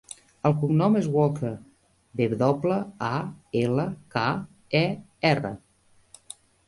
El cognom és Walker: ve doble, a, ela, ca, e, erra.